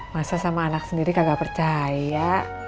masa sama anak sendiri kagak percaya